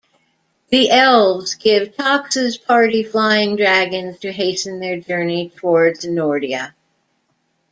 The elves give Toxa's party flying dragons to hasten their journey towards Nordia.